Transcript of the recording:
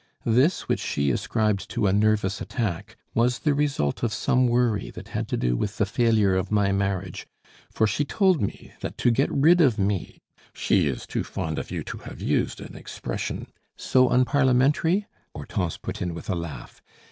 This, which she ascribed to a nervous attack, was the result of some worry that had to do with the failure of my marriage, for she told me that to get rid of me " "She is too fond of you to have used an expression " "So unparliamentary!" Hortense put in with a laugh.